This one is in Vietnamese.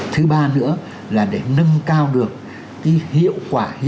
thứ ba nữa là để nâng cao được cái hiệu quả